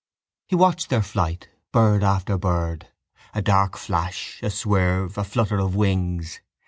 He watched their flight; bird after bird: a dark flash, a swerve, a flutter of wings.